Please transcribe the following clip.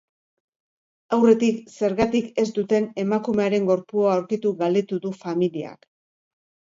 Aurretik zergatik ez duten emakumearen gorpua aurkitu galdetu du familiak.